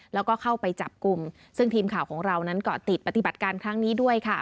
แล้วก็เข้าไปจับกลุ่มซึ่งทีมข่าวของเรานั้นเกาะติดปฏิบัติการครั้งนี้ด้วยค่ะ